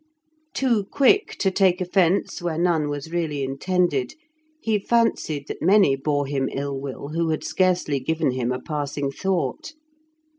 Too quick to take offence where none was really intended, he fancied that many bore him ill will who had scarcely given him a passing thought.